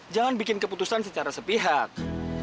jangan bikin keputusan secara sepihak